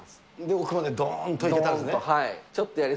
奥までどーんといけたんです